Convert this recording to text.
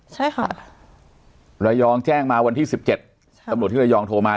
ใช่ค่ะไรยองแจ้งมาวันที่สิบเจ็ดตำรวจที่ไรยองโทรมา